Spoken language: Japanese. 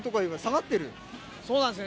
そうなんですよね。